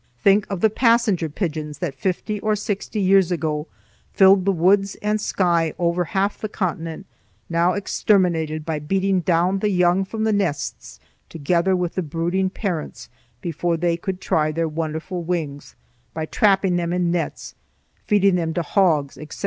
Think of the passenger pigeons that fifty or sixty years ago filled the woods and sky over half the continent, now exterminated by beating down the young from the nests together with the brooding parents, before they could try their wonderful wings; by trapping them in nets, feeding them to hogs, etc.